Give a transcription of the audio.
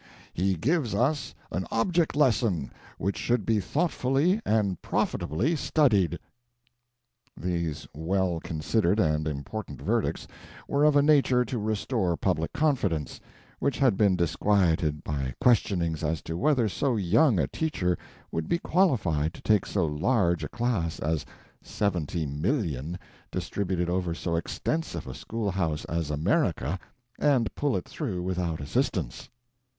"He gives us an object lesson which should be thoughtfully and profitably studied." These well considered and important verdicts were of a nature to restore public confidence, which had been disquieted by questionings as to whether so young a teacher would be qualified to take so large a class as 70,000,000, distributed over so extensive a schoolhouse as America, and pull it through without assistance.